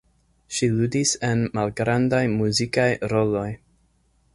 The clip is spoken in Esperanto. Ŝi ludis en malgrandaj muzikaj roloj.